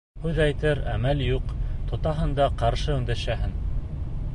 Һүҙ әйтер әмәл юҡ, тотаһың да ҡаршы өндәшәһең!